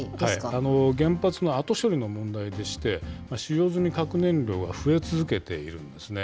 原発の後処理の問題でして、使用済み核燃料が増え続けているんですね。